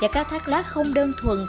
cá thác lát không đơn